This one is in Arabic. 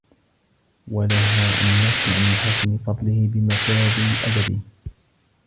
وَلَهَا النَّاسَ عَنْ مَحَاسِنِ فَضْلِهِ بِمُسَاوِي أَدَبِهِ